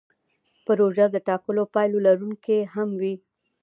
پروژه د ټاکلو پایلو لرونکې هم وي.